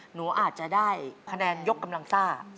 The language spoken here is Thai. หนูอาจจะได้คะแนนยกกำลังซ่า